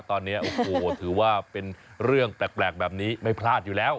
ตอนนี้โอ้โหถือว่าเป็นเรื่องแปลกแบบนี้ไม่พลาดอยู่แล้ว